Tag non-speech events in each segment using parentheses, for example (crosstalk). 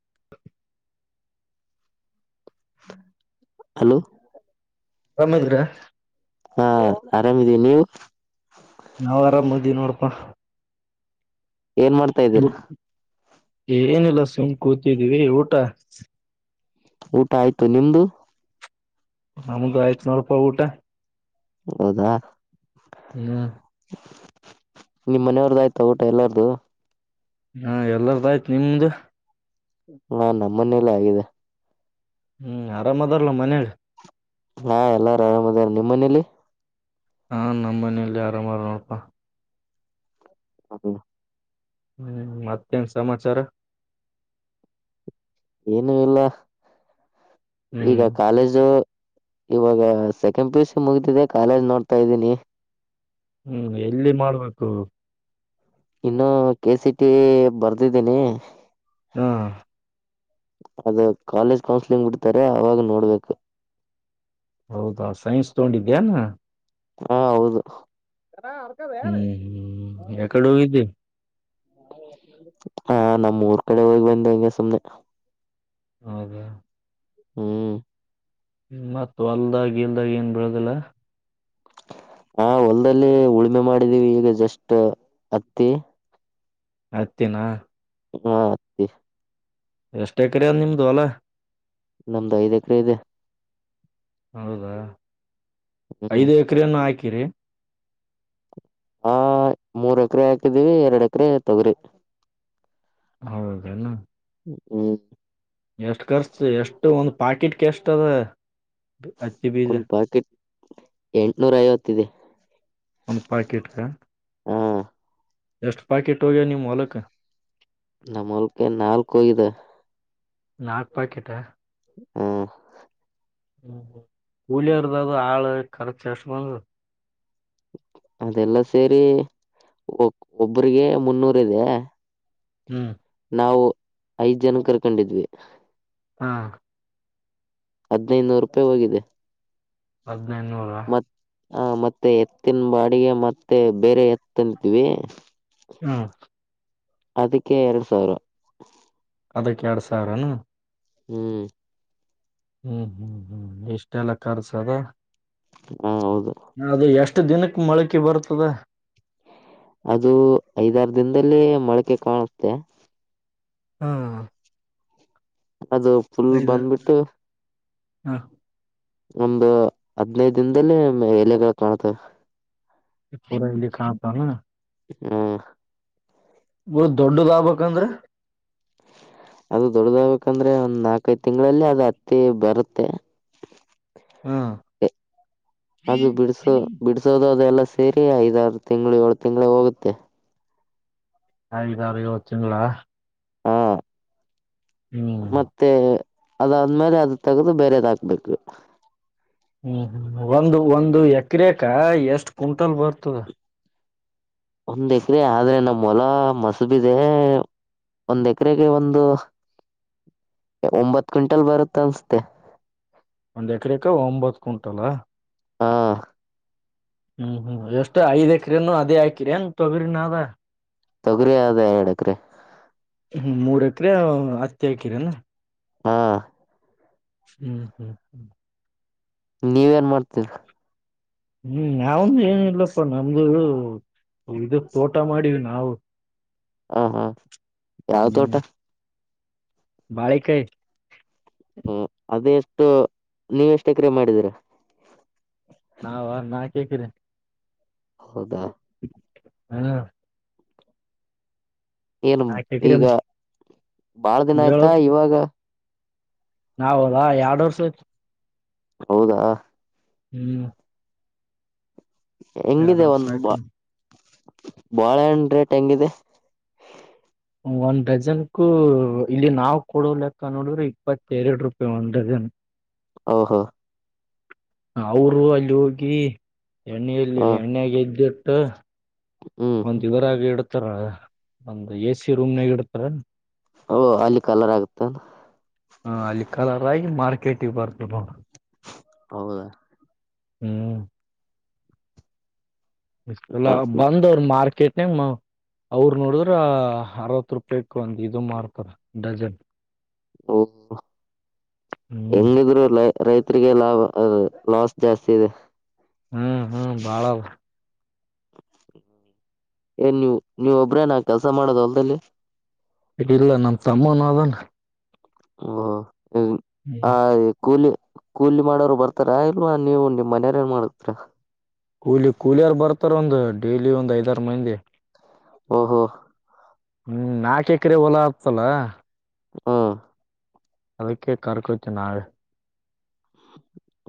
(inaudible) Hello ಕಮತ್ ಗ್ರ (unintelligible) ಹಾ ಆರಾಮಿದಿವಿ, ನೀವು? ನಾವ್ ಆರಾಮ್ ಅದಿವ್ ನೋಡಪಾ. ಏನ್ ಮಾಡ್ತಾ ಇದ್ದೀರಾ ಗುಡ್ ಏನಿಲ್ಲ ಸುಮ್ ಕೂತಿದ್ದೀವಿ ಊಟ ಊಟ ಆಯ್ತು, ನಿಮ್ದು? ನಮಗ ಐತನೂರು ರೂಪಾಯಿ ಊಟ. ಹೌದಾ ಹ ನಿಮ್ಮ್ ಮನೆಯವ್ರ್ದು ಆಯ್ತಾ ಊಟ ಎಲ್ಲಾರ್ದು ಹಾ ಎಲ್ಲರದ ಆಯ್ತು ನಿಮ್ದ ಹಾ ನಮ್ಮನೇಲ್ಲ ಆಗಿದೆ ಹ್ಮ್ ಆರಾಮ ಅದಾರಲ್ಲ ಮನಯಾಗ ಹಾ ಎಲ್ಲಾರು ಆರಾಮದಾರ ನಿಮ್ಮ್ ಮನೇಲಿ ಹಾ ನಮ್ಮ್ ಮನಲಿ ಆರಾಮಾರ ನೋಡಪಾ ಹ ಹ್ಮ್ ಮತ್ತೇನ್ ಸಮಾಚಾರ ಏನು ಇಲ್ಲ ಹ್ಮ್ ಈಗ ಕಾಲೇಜು ಇವಾಗ ಸೆಕೆಂಡ್ ಪೀ ಯು ಸಿ ಮುಗಿದಿದೆ ಕಾಲೇಜ್ ನೋಡ್ತಾ ಇದ್ದೀನಿ ಹ್ಮ್ ಎಲ್ಲಿ ಮಾಡ್ಬೇಕು ಇನ್ನು ಕೆ ಸಿ ಟಿ ಬರ್ದಿದ್ದೀನಿ ಹಾ ಅದು ಕಾಲೇಜ್ ಕೌನ್ಸಲಿಂಗ್ ಬಿಡ್ತಾರೆ ಅವಾಗ ನೋಡ್ಬೇಕು ಹೌದಾ ಸೈನ್ಸ್ ತಗೊಂಡಿದ್ಯಾನ ಹಾ ಹೌದುರ್ಕದ ಯಾರು ಹ್ಮ್ ಹ್ಮ್ ಯಕಡೆ ಹೋಗಿದ್ದಿ ಹ ನಮ್ಮ್ಊರ್ ಕಡೆ ಹೋಗಿ ಬಂದ ಹಂಗೆ ಸುಮ್ನೆ ಹೌದಾ ಹ್ಮ್ ಇ ಮತ್ ಅಲ್ದಾಗ ಇಲ್ದಾಗ ಏನ್ ಬೆಳದಿಲ್ಲ ಹ ಹತ್ತಿನ ಹ್ಮ ಎಷ್ಟ ಎಕ್ರೆ ಆದ ನಿಮ್ಮ ಹೊಲ ನಮ್ದು ಐದ ಎಕರೆ ಇದೆ ಹೌದಾ ಹ್ಮ್ ಐದು ಎಕ್ರೆಯನ್ನು ಹಾಕಿರಿ ಆ ಮೂರ್ ಎಕರೆ ಹಾಕಿದೀವಿ ಎರಡ್ ಎಕರೆ ತೊಗ್ರಿ ಹೌದೇನು ಹ್ಮ ಎಷ್ಟು ಕರ್ಸ್ತ ಎಷ್ಟು ಒಂದು್ ಪಾಕಿಟ್ ಎಷ್ಟ ಅದ ಅತ್ತ ಒಂದು ಪಾಕೆಟ್ ಎಂಟ್ನೂರ ಐವತ್ತ ಇದೆ ಒಂದು ಪಾಕೆಟ್ ಹಾ ಎಷ್ಟು ಪ್ಯಾಕೆಟ್ ಹೋಗ್ಯ ನಿಮ್ಮ ಹೊಲಕ ನಮ್ಮ ಹೊಲ್ಕೆ ನಾಲ್ಕು ಐದು ನಾಲ್ಕು ಪಾಕೆಟ ಹಾ ಹ್ಮ ಹುಳಿಯರ್ದ ಅದು ಆಳ ಖರ್ಚ ಎಷ್ಟ ಬಂದ ಅದೆಲ್ಲಾ ಸೇರಿ ಒಬ್ರಿಗೆ ಮುನ್ನೂರ ಇದೆ ಹ್ಮ್ ನಾವು ಐದ್ ಜನ ಕರ್ಕೊಂಡಿದ್ವಿ ಹಾ ಹದಿನೈದುನೂರು ರೂಪಾಯಿ ಹೋಗಿದೆ ಹದಿನೈನೂರ ಹ ಮತ್ತೆ ಎತ್ತಿನ ಬ ಅಡಿಗೆ ಮತ್ತೆ ಬೇರೆ ಎತ್ತ ಅಂತೀವಿ ಹಾ ಅದಕ್ಕೆ ಎರಡ್ ಸಾವಿರ ಅದಕ್ಕೆ ಎರಡ್ ಸಾವಿರನಾ ಹ್ಮ್ ಹ್ಮ್ ಹ್ಮ್ ಹ್ಮ್ ಎಷ್ಟ ಎಲ್ಲ ಕರ್ಸದ ಹಾ ಹೌದು ಅದು ಎಷ್ಟು ದಿನಕ್ ಮೊಳಕೆ ಬರ್ತದ ಅದು ಐದಾರು ದಿನದಲ್ಲಿ ಮೊಳಕೆ ಕಾಣುತ್ತೆ ಹಾ ಅದು ಫುಲ್ (unintelligible) ಬಂದ್ಬಿಟ್ಟು ಹಾ ಒಂದು ಹದ್ನದ ದಿನದಲ್ಲಿ ಎಲೆಗಳ ಕಾಣತವೆ ಪೂರೈಲಿಖಾಂತಲ್ಲ ಹಾ ಬ ದೊಡ್ಡದ ಆಬಬೇಕಕ್ಂದ್ರೆ ಅದು ದೊಡ್ಡದಾಗ್ಬೇಕಂದ್ರೆ ಒಂದ್ ನಾಲ್ಕದ್ ತಿಂಗಳಲ್ಲಿ ಅದ್ ಹತ್ತಿ ಬರುತ್ತೆ ಹಾ ಅದು ಬಿಡಸೋ ಬಿಡಸೋದ ಎಲ್ಲ ಸೇರಿ ಐದಾರು ತಿಂಏಳು ತಿಂಗ್ಳ ಹೋಗುತ್ತೆ ಹಾಗಿದ ಇವತ್ತಿನಗಳ ಹಾ ಹ್ಮ್ ಮತ್ತೆ ಅದಾದ್ಮೇಲೆ ಅದ ತಗದು ಬೇರೆದ್ ಹಾಕ್ಬೇಕು ಹ್ಮ್ ಹ್ಮ್ ಒಂದು ಒಂದು ಎಕ್ರೇಕ ಎಷ್ಟ್ ಕುಟಲ್ ಬರ್ತದ ಒಂದ್ ಎಕರೆ ಆದ್ರೆ ನಮ್ ಹೊಲ ಮಸಬದೆ ಒಂದ್ ಎಕರೆಗೆ ಒಂದು ಒಂಬತ್ ಕ್ವಿಂಟಲ್ ಬರುತ್ತ ಅನ್ಸತೆೆ ಒಂದ್ ಎಕರೆಕ ಒಂಬತ್ತು ಕುಂಟಲ್ ಆ ಹ್ಮ್ ಹ್ಮ್ ಎಷ್ಟ್ ಐ ಎಕ್ರನು ಅದೇ ಹಾಕಿರಿ ಏನ್ ತೊಗ್ರಿ ನಾವ ತೊಗರಿ ಅದ ಹೇಳಡಕ್ರೆ ಹ್ಮ್ ಮೂರ ಎಕರೆ ಹತ್ತ ಅಕರನಾ ಹಾ ಹ್ಮ್ ಹ್ಮ್ ಹ್ಮ್ ನೀವ ಏನ್ ಮಾಡ್ತರ್ರ ಹ್ಮ್ ನಾವಂದು ಏನಿಲ್ಲಪ್ಪ ನಮ್ದು ಇದದು ತೋಟ ಮಾಡೀವಿ ನಾವು ಹ ಹಾ ಯಾವ ತೋಟ ಬಾಳೆಕಾಯಿ ಹ್ಮ ಅದ ಎಷ್ಟು ನೀವ ಎಷ್ಟು ಎಕ್ರೆ ಮಾಡಿದೀರಾ ನಾವ ನಾ ಕೇಕಿದೀನೆ ಹೌದಾ ಹಾ ಏನ್ ನಾಕ್ ಎಕರೆ ಈಗ ಬಾಳ ದಿನ ಆಯ್ತಾ ಇವಾಗ ನಾವ ಹದಾ ಎರಡ್ ವರ್ಷ ಹೌದಾ ಹ್ಮ್ ಎರಡ್ ಹೆಂಗಿದೆ ವರ್ಷ ಒಂದ್ ಬ ಆಯ್ತು ಬಾಳೆಹಣ್ ರೇಟ್ ಹೆಂಗಿದೆ ಒಂದ್ ಡಜನ್ಕೂ ಇಲ್ಲಿ ನಾವ್ ಕೊಡೋ ಲೆಕ್ಕ ನೋಡಿದ್ರೆ ಇಪ್ಪತ್ತ ಎರಡು ರೂಪಾಯಿ ಒಂದ್ ಡಜನ್ ಓಹೋ ಅವರು ಅಲ್ಲಿ ಹೋಗಿ ಎಣ್ಣೆಯಲ್ಲಿ ಹ ಎಣ್ಣ ಗೆದ್ದಿಟ್ಟು ಹ್ಮ್ ಒಂದ್ ಇವರಾಗ ಇಡ್ತಾರ ಒಂದು ಎ ಸಿ ರೂಮ್ನಾಗ ಇಡ್ತಾರ ಓಹ ಅಲ್ಲಿ ಕಲರ್ ಆಗ್ತದ ಹ ಅಲ್ಲಿ ಕಲರ್ ಆಗಿ ಮಾರ್ಕೆಟಿಗೆ ಬರ್ಬದು ಹೌದಾ ಹ್ಮ್ ಇಲ್ಲ ಹ ಬಂದ ಅವ್ರ ಮಾರ್ಕೆಟ್ ನಮ್ಮ ಅವರು ನೋಡಿದ್ರ ಅರವತ್ತು ರೂಪಾಯಕ್ ಒಂದು ಇದು ಮಾಡ್ತಾರ ಡಜನ್ ಹ್ಮ್ ಎಂಗದುರ ಇಲ್ಲ ರೈತರಿಗೆ ಲಾಭ ಲಾಸ್ ಜಾಸ್ತಿ ಇದೆ ಹ್ಮ್ ಹ್ಮ್ ಬಾಳ ಏನ್ ನೀವು ನೀವ್ ಒಬ್ರ ನಾವ ಕೆಲ್ಸ ಮಾಡೋದು ಹೊಲ್ದಲ್ಲಿ ಇಲ್ಲ ನಮ್ಮ ತಮ್ಮನ ಅದಾನ ಓ ಆ ಕೂಲಿ ಕೂಲಿ ಮಾಡೋರು ಬರ್ತಾರಾ ಇಲ್ವಾ ನೀವು ನಿಮ್ಮ್ ಮನೆಯವ ಏನ್ ಮಾಡತರಾ ಕೂಲಿ ಕೂಲಿಯಾರ ಬರ್ತಾರ ಒಂದು ಡೈಲಿ ಒಂದ ಐದಾರ ಮಂದಿ ಓಹೋ ಹ್ಮ್ ನಾಲ್ಕು ಎಕರೆ ಹೊಲಾ ಆಗ್ತಲ್ಲ ಹ್ಮ್ ಅದಕ್ಕೆ ಕರ್ಕೋತು ನಾವೆ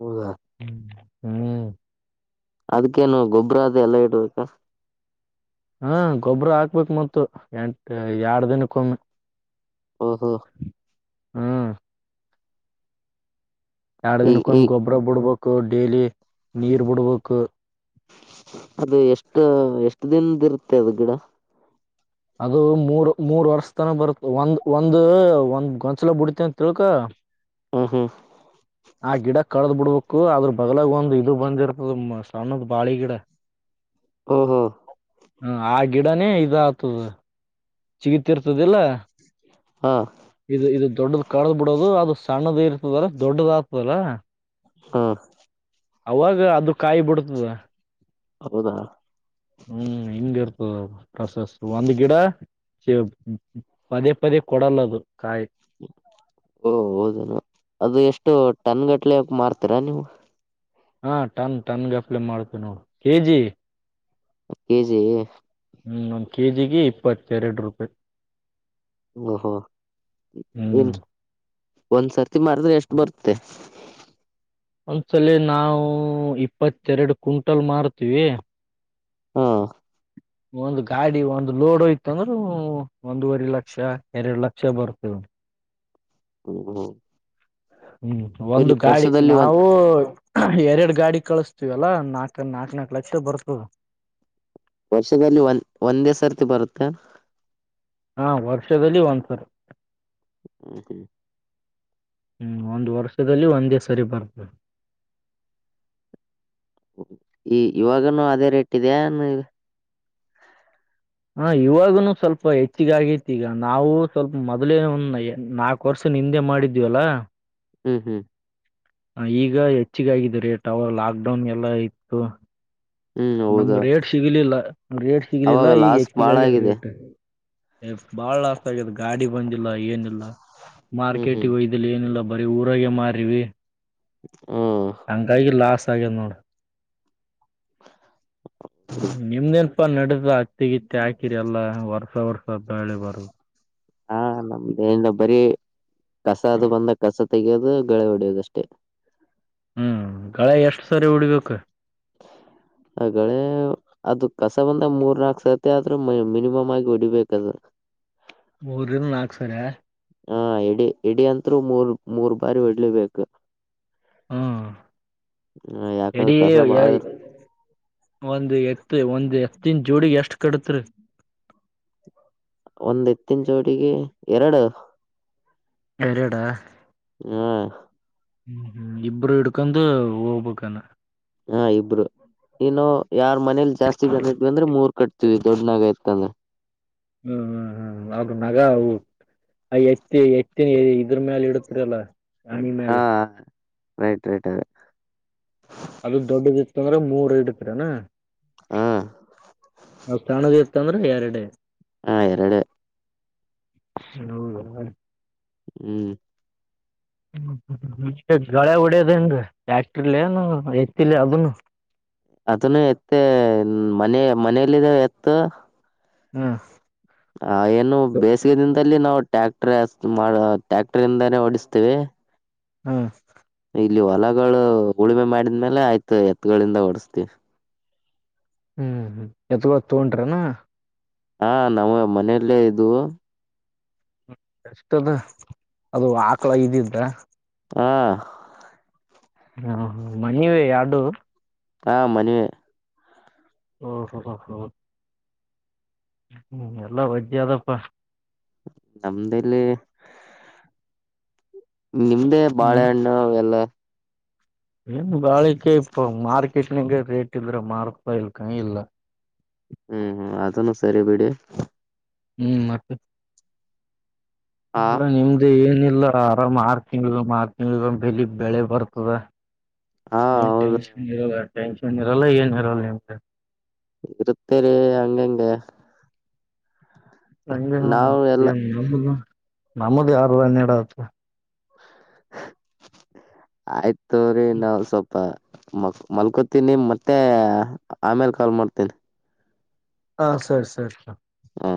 ಹದ ಹ್ಮ ಹ್ಮ್ ಅದ್ಕೇನು ಗೊಬ್ಬರ ಅದು ಎಲ್ಲಾ ಇಡ್ಬೇಕಾ ಹಾ ಗೊಬ್ಬ್ರ ಹಾಕ್ಬೇಕಕ್ ಮ ಎಂಟ ಎರಡ್ ದಿನಕ್ಕೊಮ್ಮೆ ಹ ಹಾ ಹ್ಮ ಎರಡು ಈ ಈ ದಿನಕ್ಕೊಂದು ಗೊಬ್ಬರ ಬಿಡ್ಬೇಕು ಡೇಲಿ ನೀರ್ ಬಿಡ್ಬೇಕು ಅದು ಎಷ್ಟು ಎಷ್ಟು ದನ್ದ ಇರುತ್ತೆ ಅದು ಗಿಡ ಅದು ಮೂರ್ ಮೂರ್ ವರ್ಷ ತನ ಬರುತ್ತ ಒಂದ್ ಒಂದ್ ಒಂದ್ ಗೊಂಚಲ ಬಿಡ್ತಿ ಅಂತ ತಿಳ್ಕ ಹ್ಮ್ ಹ್ಮ್ ಆ ಗಿಡ ಕಳದ್ ಬಿಡ್ಬೇಕು ಅದ್ರ ಬಗ್ಲಾಗ ಒಂದ್ ಇದು ಬಂದಿರ್ತದ ಸಣ್ಣದ್ ಬಾಳಿ ಗಿಡ ಹ ಹ್ಮ ಹ ಆ ಗಿಡನೇ ಇದಾತ ಸಿಗತಿರ್ತದಿಲ್ಲ ಹಾ ಇದು ಇದು ದೊಡ್ಡದು ಕದ್ ಬಿಡೋದು ಅದು ಸಣ್ಣದ ಇರ್ತದಲ್ಲ ದೊಡ್ಡದ ಆಗ್ತದಲ್ಲ ಹಾ ಅವಾಗ ಅದು ಕಾಯಿ ಬಿಡ್ತದ ಹೌದಾ ಹ್ಮ್ ಹಿಂಗ ಇರ್ತದ ಪ್ರಸೆಸ್ ಒಂದ್ ಗಿಡ ಪದೇ ಪದೇ ಕೊಡಲ್ಲದು ಕಾಯಿ ಓ ಹೌದನು ಅದು ಎಷ್ಟು ಟನ್ಗಟ್ಲೆ ಹಕ ಮ್ತೀರಾ ನೀವು ಹಾ ಟನ್ ಟನ್ ಗಫಲೆ ಮಾಡ್ತೇವಿ ನೋ ಕೆಜಿ ಕೆಜಿ ಹ್ಮ್ ಒಂದ್ ಕೆ ಜಿಗೆ ಇಪ್ಪತ್ತೆರಡು ರೂಪಾಯಿ ಓಹೋ ಏನ್ ಹ್ಮ್ ಒಂದ್ಸರ್ತಿ ಮಾಡಿದ್ರೆ ಎಷ್ಟು ಬರುತ್ತೆ ಒಂದ್ಸಲ ನಾವವು ಇಪ್ಪತ್ತೆರಡು ಕುಂಟಲ್ ಮಾರತೀವಿ ಹಾ ಒಂದು ಗಾಡಿ ಒಂದು ಲೋದಯತ ಅಂದ್ರೂ ಒಂದವರಿ ಲಕ್ಷ ಎರಡು ಲಕ್ಷ ಬರ್ತ ಹ್ಮ ಹ್ಮ ಹ್ಮ್ ಒಂದು ಗಾಳಿ ಒಂದ್ ನಾವುೂ ಎರಡು ಗಾಡಿ ಕಳಿಸಸ್ತೀವಲ್ಲ ನಾಕ ನಾಕ ನಾಕ್ ಲಕ್ಷ ಬರ್ತದೆ ವರ್ಷದಲ್ಲಿ ಒಂದ ಒಂದೇ ಸರ್ತಿ ಬರುತ್ತೆ ಹಾ ವರ್ಷದಲ್ಲಿ ಒಂದ್ಸರ್ ಹ್ಮ ಹ್ಮ್ ಒಂದ್ ವರ್ಷದಲ್ಲಿ ಒಂದೇ ಸರಿ ಬರ್ತದೆ ಈ ಇವಾಗನುೂ ಅದೇ ರೇಟ್ ಇದೆಯ ಹ ಇವಾಗನುೂ ಸ್ವಲ್ಪ ಹೆಚ್ಚಗ ಆಗತಿೀಗ ನಾವು ಸ್ವಲ್ಪ ಮೊದಲೇ ನಾ ಕೊರ್ಸ ಹಿಂದೆ ಮಾಡಿದೀವಲ್ಲಾ ಹ್ಮ್ ಹ್ಮ್ ಈಗ ಹೆಚ್ಚಿಗಾಗಿದೆ ರೇಟ್ ಅವ ಲಾಕ್ ಡೌನ್ ಎಲ್ಲ ಇತ್ತು ಹ್ಮ್ ಹೌದು ನಮ್ಗೆ ರೇಟ್ ಸಿಗಲಿಲ್ಲ ರೇಟ್ ಸಿಗ್ಲಿಲ್ಲ ಅವಾಗ ಈಗ ಲಾಸ್ ಎಕ್ತಿಗ ಬಾಳ ಆಗ್ಯದ ಆಗಿದೆ ರೇಟ್ ಬಾಳ ಆಸ್ತ ಆಗಿದೆ ಗಾಡಿ ಬಂದಿಲ್ಲ ಏನಿಲ್ಲ ಹ್ಮ್ ಮಾರ್ಕೆಟಗ ಹ್ಮ್ ಹಯ ಲ್ಲಿ ಏನಿಲ್ಲ ಬರೀ ಊರಾಗ ಮಾರವಿ ಹ ಹಂಗಾಗಿ ಲಾಸ್ ಆಗ್ಯಿದೆ ನೋಡು ಪಪ್ಪ ನಡಸ ಅತ್ತಗಿತ್ತ ಹಾಕಿರಿ ಎಲ್ಲ ವರ್ಸ ವರ್ಷ ಬಳೆ ಬರು ಹಾ ನಮ್ದಿಂದ ಬರೀ ಕಸ ಅದು ಬಂದ ಕಸ ತೆೆಗೆಯೋದು ಳೆ ಹೊಡೆಯೋದಷ್ಟೇ ಹ್ಮ್ ಗಳೆ ಎಷ್ಟು ಸರಿ ಉಡ್ಬೇಕ ಅಗಳೆ ಅದು ಕಸ ಬಂದ ಮೂರ್ ನಾಲ್ಕು ಸರ್ತಿ ಆದ್ರೂ ಮಿನಿಮಮ್ ಆಗಿ ಹೊಡಿಬೇಕಾದ್ರ ಮೂರರಿಂದ ನಾಲ್ಕು ಸರ ಹ ಎಡಿ ಎಡಿ ಅಂತ್ರು ಮೂರ್ ಮೂರ್ ಬಾರಿ ಹೊಡ್ಲಿಬೇಕು ಹ ಎಡ ಯಾಕಂದ್ರೆ ಕಸ ಬಾಳ ಇರ್ ಒಂದು ಎತ್ ಒಂದು್ ಎತ್ತಿನ ಜೋಡಿಿಗೆ ಎಷ್ಟು ಕಡತ್ ರೀ ಒಂದ್ ಎತ್ತಿನ ಚೋಟಿಗೆ ಎರಡು ಎರಿಡಾ ಹಾ ಹ್ಮ್ ಹ್ಮ್ ಇಬ್ರು ಇಡ್ಕೊಂಡು ಹೋಗ್ಬೇಕಾನ ಹಾ ಇಬ್ರು ಇನು ಯಾರ್ ಮನೇಲಿ ಜಾಸ್ತಿ ಜ ಬಂದ್ರೆ ಮೂರ್ ಕಟ್ತವಿ ದೊಡ್ಡನಾಗಾಯತ ಅಂದ್ರೆ ಹ್ಮ್ ಹ್ಮ್ ಹ್ಮ್ ಅ ನಗ ಆ ಎತ್ತಿ ಎತ್ತಿನ ಇದ್ರ ಮೇಾಲ ಇಡತರಲ್ಲ ಹಾ ರೈಟ್ ರೈಟ್ ಅದ ಅದು ದೊಡ್ಡದತ್ತ ಅಂದ್ರೆ ಮೂರ್ ಇಡ್ತೀರನಾ ಹಾ ನ ಚದ ತಂದ್ರ ಎರಡೆ ಹ ಎರಡು ಹ ಹೌದು ಹ್ಮ್ ಹ್ಮ ಗಳೆ ಹೊಡಿಯೋದನ್ ಯಾಕ್ಟ್ರಲ ಏನು ಎತ್ತಿಲ್ಲ ಅದನು ಅದನ್ನು ಎತ್ತ ಮನೆ ಮನೇಲ್ಲಿದೆ ಎತ್ತು ಹ್ಮ್ ಹ ಏನು ಬೇಸಿಗೆ ದಿನದಲ್ಲಿ ನಾವು ಟ್ಯಾಕ್ಟರ್ ಟ್ಯಾಕ್ಟರ್ಂದಾನೇ ಓಡಿಸ್ತೇವಿ ಹ್ಮ್ ಇಲ್ಲಿ ಹೊಲಗಳು ಉಳುಮೆ ಮಾಡಿದ್ಮೇಲೆ ಆಯ್ತು ಎತ್ಗಳಿಂದ ಹೊಡಸ್ತಿೀವಿ ಹ್ಮ್ ಹ್ಮ ಎತ್ಗೋ ತೊೊಂಡ್ರನಾ ಹಾ ನಮ್ಮ್ ಮನೆಯಲ್ಲೇ ಇದು ಎಷ್ಟದ ಅದು ಆಕಳ ಇದಿದ್ದ ಹಾ ಹಾ ಹ ಮನಿವ ಎರಡು ಹಾ ಮನೆವ ಹ ಹ ಹ ಹ ಹ್ಮ್ ಎಲ್ಲಾ ಒಜ್ಜಿ ಅದಪ್ಪ ನಮ್ದಲ್ಲಿ ನಿಮ್ದೆ ಹ್ಮ್ ಬಾಳೆಹಣ್ಣ ಎಲ್ಲ ಏನ್ ಬಾಳಿಕೆ ಇಪ್ಪ ಮಾರ್ಕೆಟ್ ನಿಂಗ ರೇಟ್ ಇದ್ರೆ ಮಾರ್ ರೂಪಾಯಿ ಇಲ್ ಕ ಇಲ್ಲ ಹ್ಮ್ ಹ್ಮ್ ಅದನ್ನು ಸರಿ ಬಿಡಿ ಹ್ಮ್ ಮತ ಆ ಇಲ್ಲ ನಿಮ್ದ ಏನಿಲ್ಲ ಆರಾಮ್ ಆರು ತಿಂಗಳಗ ಆರು ತಿಂಗಳಗ ಬೆಲಿ ಬೆಳೆ ಬರ್ತದ ಹಾ ಏನ್ ಹೌದು ಟೆನ್ಶನ್ ಇರಲ್ಲ ಟೆನ್ಶನ್ ಇರಲ್ಲ ಏನುಲ್ಲೆರಲ್ಲ ಏನುರಲ್ಲ ಇರುತ್ತೇರಿ ಹಂಗಂಗಗೆ ನಂಗೆ ನಾವು ಎಲ್ಲ ನ ನಮ್ಮದು ಯಾರ ಹನ್ನಡತ್ (unintelligible) ಆಯ್ತ್ ತೊಗೋರಿ ನಾವ್ಸೊಪ್ಪ ಮ ಮಲ್ಕೋತೀನಿ ಮತ್ತೆ ಆಮೇಲೆ ಕಾಲ್ ಮಾಡ್ತೀನಿ ಹ ಸರಿ ಸರಿ ಸರಿ ಹಾ